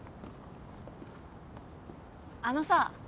あのさ。